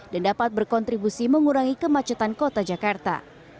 dan dapat berkontribusi mengurangi kemacetan kota jakarta